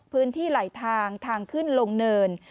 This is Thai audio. พื้นที่ไหลทางทางขึ้นลงเนิน